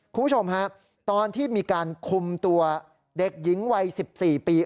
คุณผู้ชมฮะตอนที่มีการคุมตัวเด็กหญิงวัย๑๔ปี